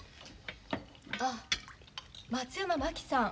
あっ松山真紀さん